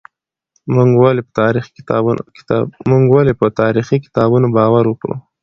موږ ولې په تاريخي کتابونو باور وکړو؟